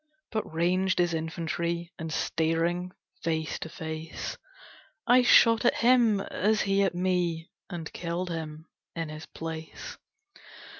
'But ranged as infantry, And staring face to face, I shot at him as he at me, And killed him in his place.